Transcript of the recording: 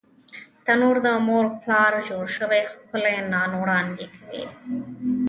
تنور د مور لاس جوړ شوی ښکلی نان وړاندې کوي